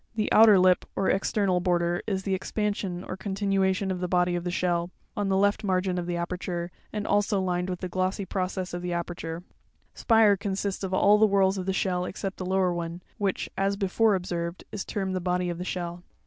The outer lip, or external border, is the expansion or con tinuation of the body of the shell, on the left margin of the aperture, and is also lined with the glossy process of the aperture (jig: 116). '. Spire consists of all the whorls of the shell except the lower one, which, as before observed, is termed the body of the shell.